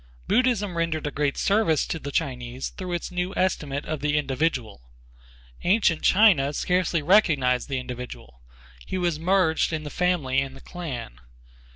Buddhism rendered a great service to the Chinese through its new estimate of the individual. Ancient China scarcely recognized the individual. He was merged in the family and the clan.